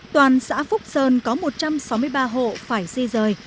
toàn xã phúc sơn có một trăm sáu mươi ba hộ phải di rời